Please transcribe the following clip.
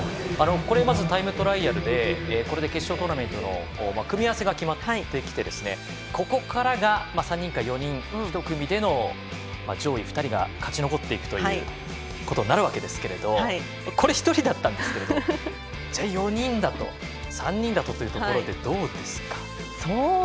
タイムトライアルでこれで決勝トーナメントの組み合わせが決まってきてここからが３人から４人１組での上位２人が勝ち残っていくことになるわけですがこれは１人だったんですけども４人だと３人だとというところでどうですか？